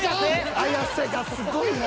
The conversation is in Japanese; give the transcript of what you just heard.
綾瀬がすごいな。